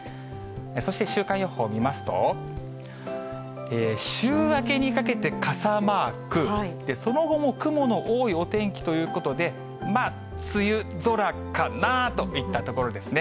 そして週間予報見ますと、週明けにかけて傘マーク、その後も雲の多いお天気ということで、まあ、梅雨空かな？といったところですね。